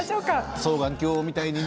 双眼鏡みたいね。